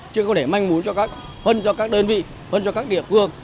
chứ không để manh mún cho các phân cho các đơn vị phân cho các địa phương